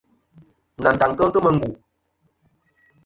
Nantaŋ kel kemɨ n.